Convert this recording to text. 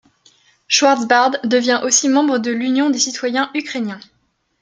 Schwartzbard devient aussi membre de l'Union des citoyens ukrainiens.